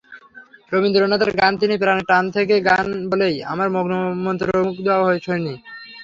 রবীন্দ্রনাথের গান তিনি প্রাণের টান থেকে গান বলেই আমরা মন্ত্রমুগ্ধ হয়ে শুনি।